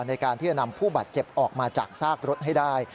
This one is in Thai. ในการที่จะนำผู้บาดเจ็บออกมาจากซากรถให้ได้